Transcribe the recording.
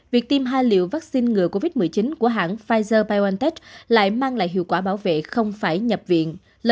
việc tiêm hai liệu vaccine ngừa covid một mươi chín của hãng pfizer biontech lại mang lại hiệu quả bảo vệ